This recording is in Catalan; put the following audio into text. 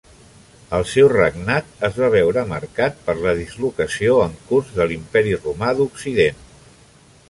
El seu regnat es va veure marcat per la dislocació en curs de l'imperi romà d'Occident.